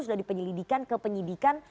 sudah dipenyelidikan kepenyidikan